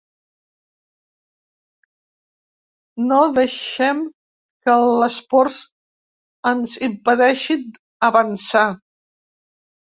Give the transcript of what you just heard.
No deixem que les pors ens impedeixin avançar.